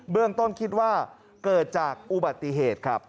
เรื่องต้นคิดว่าเกิดจากอุบัติเหตุครับ